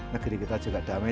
negeri kita juga damai